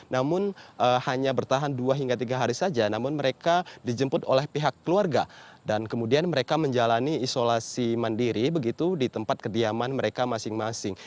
namun hanya bertahan dua hingga tiga hari saja namun mereka dijemput oleh pihak keluarga dan kemudian mereka menjalani isolasi mandiri begitu di tempat kediaman mereka masing masing